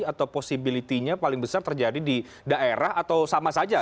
atau posibilitasnya paling besar terjadi di daerah atau sama saja